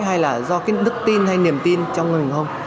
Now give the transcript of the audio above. hay là do cái đức tin hay niềm tin trong mình không